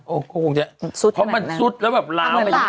โอ้โหก็คงจะเพราะมันซุดแล้วแบบล้าวตากล้างเลย